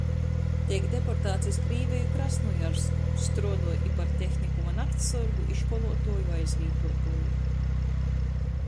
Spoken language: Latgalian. Teik deportāts iz Krīveju, Krasnojarsku, struodoj i par tehnikuma naktssorgu, i školuotuoju aizvītuotuoju,